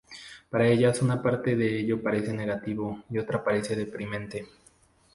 Para ellas una parte de ello parece negativo y otra parece deprimente.